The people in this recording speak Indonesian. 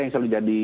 yang selalu jadi